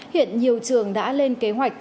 hiện nhiều trường đã lên kế hoạch